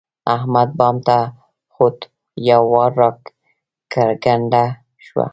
احمد بام ته خوت؛ یو وار را کرکنډه شو.